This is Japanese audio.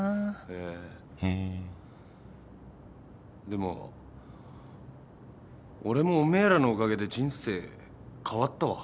へぇでも俺もおめえらのおかげで人生変わったわ。